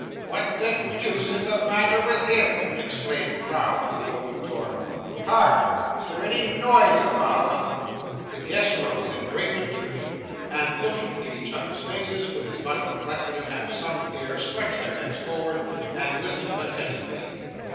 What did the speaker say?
'What the deuce is the matter with him?' exclaimed Crowl, throwing the door open. 'Hark! Is there any noise above?' The guests rose in great confusion, and, looking in each other's faces with much perplexity and some fear, stretched their necks forward, and listened attentively.